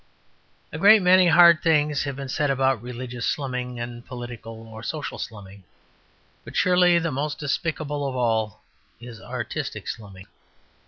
A great many hard things have been said about religious slumming and political or social slumming, but surely the most despicable of all is artistic slumming.